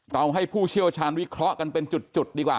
ให้ผู้เชี่ยวชาญวิเคราะห์กันเป็นจุดดีกว่า